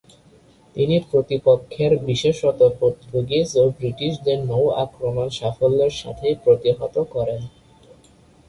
তিনি প্রতিপক্ষের, বিশেষত পর্তুগিজ ও ব্রিটিশদের নৌ-আক্রমণ সাফল্যের সাথেই প্রতিহত করেন।